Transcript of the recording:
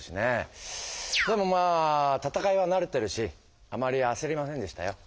でもまあ戦いは慣れてるしあまりあせりませんでしたよ。